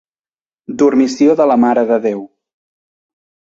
Dormició de la Mare de Déu.